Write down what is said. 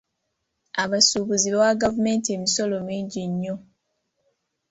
Abasuubuzi bawa gavumenti emisolo mingi nnyo.